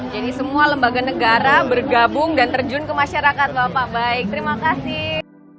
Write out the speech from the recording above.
jadi semua lembaga negara bergabung dan terjun ke masyarakat bapak baik terima kasih